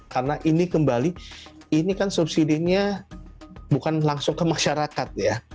karena ini kembali ini kan subsidi nya bukan langsung ke masyarakat ya